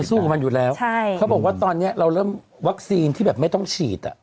สู้กับมันอยู่แล้วใช่เขาบอกว่าตอนเนี้ยเราเริ่มวัคซีนที่แบบไม่ต้องฉีดอ่ะ